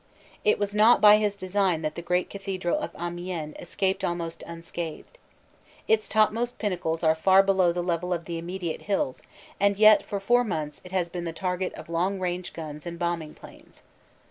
It was not by his design that the great cathedral of Amiens escaped almost unscathed. Its topmost pinnacles are far below the level of the immediate hills and yet for four months it has been the target of long range guns and bombing planes.